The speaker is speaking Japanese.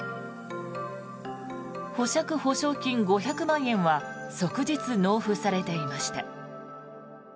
保釈保証金５００万円は即日納付されていました。